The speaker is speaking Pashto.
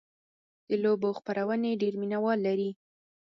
د لوبو خپرونې ډېر مینهوال لري.